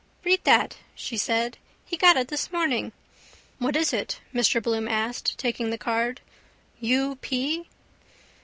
—Read that, she said. He got it this morning. —What is it? Mr Bloom asked, taking the card. U. P.?